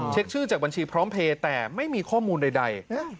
ชื่อจากบัญชีพร้อมเพลย์แต่ไม่มีข้อมูลใด